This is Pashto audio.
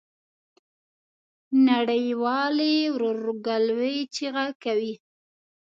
نړۍ والي ورورګلوی چیغه کوي.